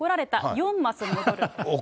４マス戻る。